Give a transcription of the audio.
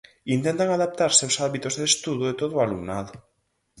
Intentan adaptarse aos hábitos de estudo de todo o alumnado.